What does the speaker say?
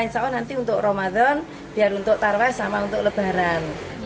insya allah nanti untuk ramadan biar untuk tarwah sama untuk lebaran